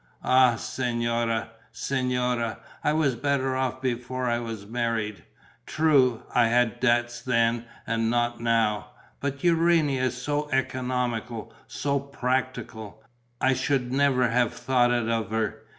Ah, signora, signora, I was better off before I was married! True, I had debts then and not now. But Urania is so economical, so practical! I should never have thought it of her.